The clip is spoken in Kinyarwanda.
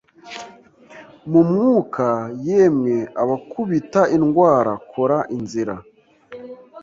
mu mwuka Yemwe abakubita indwara kora inzira